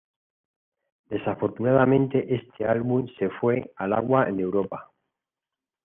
Desafortunadamente este álbum se fue al agua en Europa.